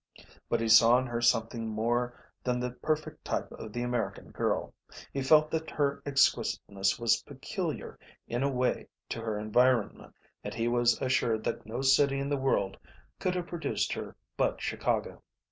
But he saw in her something more than the perfect type of the American girl, he felt that her exquisiteness was peculiar in a way to her environment, and he was assured that no city in the world could have produced her but Chicago.